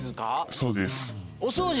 そうです。